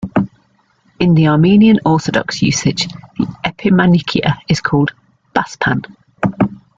In the Armenian Orthodox usage, the epimanikia is called "baspan".